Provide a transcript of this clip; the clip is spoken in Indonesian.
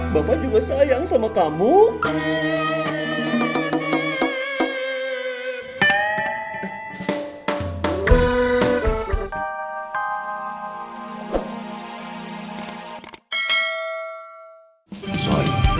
bapak juga sayang sama kamu